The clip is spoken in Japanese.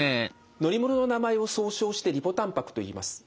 乗り物の名前を総称してリポたんぱくといいます。